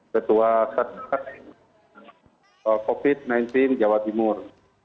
ketua satgas covid sembilan belas jawa timur